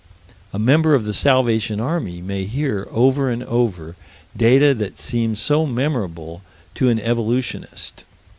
A member of the Salvation Army may hear over and over data that seem so memorable to an evolutionist.